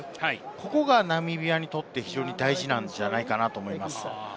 ここがナミビアにとって非常に大事なんじゃないかなと思います。